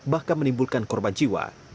bahkan menimbulkan korban jiwa